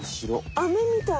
アメみたい。